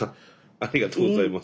ありがとうございます。